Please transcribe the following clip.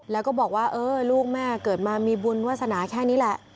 แล้วก็บอกว่าเออลูกแม่เกิดมามีบุญวาสนาแค่นี้แหละ